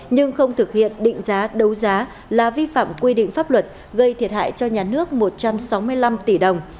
nhưng không thực hiện định giá đấu giá là vi phạm quy định pháp luật gây thiệt hại cho nhà nước một trăm sáu mươi năm tỷ đồng